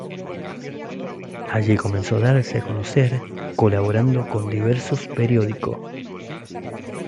Allí comenzó a darse a conocer colaborando con diversos periódico.